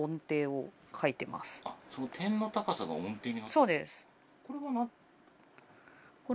そうです。